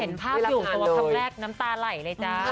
เห็นภาพอยู่ตัวคำแรกน้ำตาไหลเลยจ้า